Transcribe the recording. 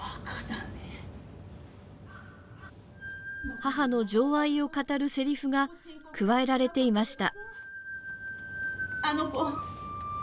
母の情愛を語るせりふが加えられていました。